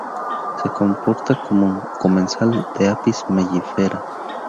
Se comporta como comensal de "Apis mellifera".